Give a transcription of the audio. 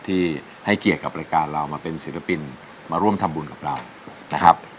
ที่ให้เกียรติกับรายการเรามาเป็นศิลปินมาร่วมทำบุญกับเรานะครับ